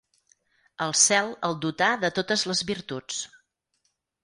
El cel el dotà de totes les virtuts.